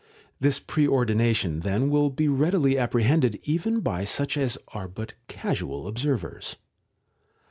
This pre ordination then will be readily apprehended even by such as are but casual observers.